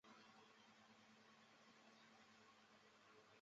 当时行政院长刘兆玄指示环保署副署长邱文彦与文建会协助抢救。